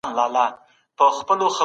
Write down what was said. دا هغه لاره ده چي فارابي ښودلې ده.